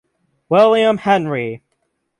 William Henry.